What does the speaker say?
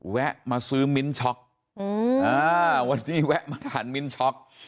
แวะมาซื้อมิ้นช็อกวันนี้แวะมาทานมิ้นช็อก